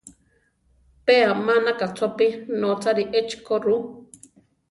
Pe amánaka chopí notzári echi ko ru.